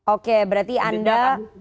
oke berarti anda